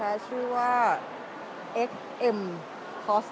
เดี๋ยวจะให้ดูว่าค่ายมิซูบิชิเป็นอะไรนะคะ